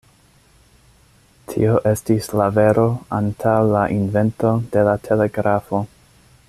Tio estis la vero antaŭ la invento de la telegrafo.